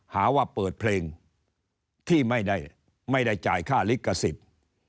หาว่าเปิดเพลงที่ไม่ได้จ่ายค่าลิขสิทธิ์